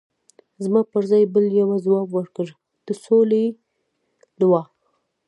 زما پر ځای بل یوه ځواب ورکړ: د سولې لوا.